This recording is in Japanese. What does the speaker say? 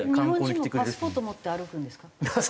日本人もパスポート持って歩くんですか？